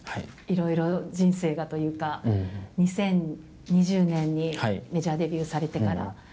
いろいろ人生がというか、２０２０年にメジャーデビューされてから。